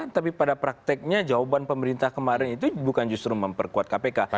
tapi pada prakteknya jawaban pemerintah kemarin itu bukan justru memperkuat kpk